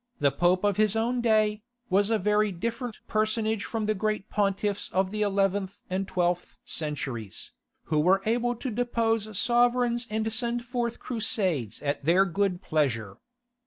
the pope of his own day, was a very different personage from the great pontiffs of the eleventh and twelfth centuries, who were able to depose sovereigns and send forth Crusades at their good pleasure.